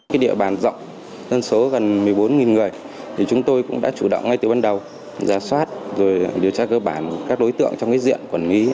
cái địa bàn rộng dân số gần một mươi bốn người thì chúng tôi cũng đã chủ động ngay từ ban đầu giả soát rồi điều tra cơ bản các đối tượng trong cái diện quản lý